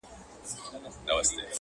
o خو هغه ليونۍ وايي؛